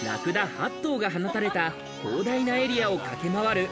８頭が放たれた広大なエリアを駆け回る。